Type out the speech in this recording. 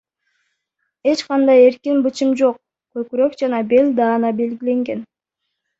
Эч кандай эркин бычым жок, көкүрөк жана бел даана белгиленген.